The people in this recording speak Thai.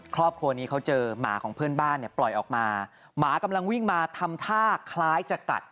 ครอบครัวนี้เขาเจอหมาของเพื่อนบ้านเนี่ยปล่อยออกมาหมากำลังวิ่งมาทำท่าคล้ายจะกัด